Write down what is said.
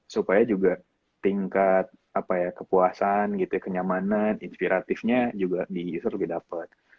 supaya juga tingkat apa ya kepuasan gitu ya kenyamanan inspiratifnya juga di user lagi dapet